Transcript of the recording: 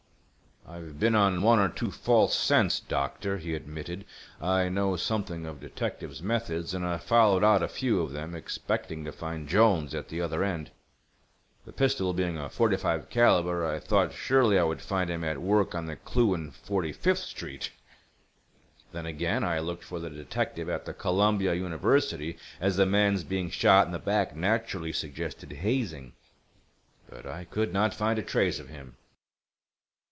"I've been on one or two false scents, doctor," he admitted. "I know something of detectives' methods, and I followed out a few of them, expecting to find Jolnes at the other end. The pistol being a .45 caliber, I thought surely I would find him at work on the clue in Forty fifth Street. Then, again, I looked for the detective at the Columbia University, as the man's being shot in the back naturally suggested hazing. But I could not find a trace of him."